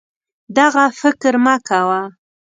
دغه فکر مه کوه